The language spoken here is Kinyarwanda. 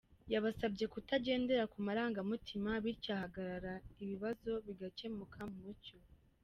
Yabasabye kutagendera ku marangamutima bityo ahagaragara ibibazo bigakemuka mu mucyo.